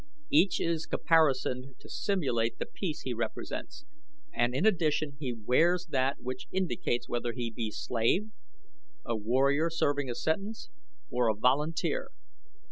Each is caparisoned to simulate the piece he represents and in addition he wears that which indicates whether he be slave, a warrior serving a sentence, or a volunteer.